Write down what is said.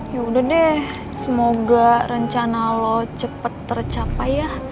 yaudah deh semoga rencana lo cepet tercapai ya